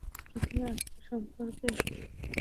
প্রথমে আত্মা সম্পর্কে এই সত্য শ্রবণ করিতে হইবে।